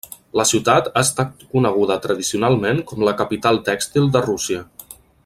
La ciutat ha estat coneguda tradicionalment com la capital tèxtil de Rússia.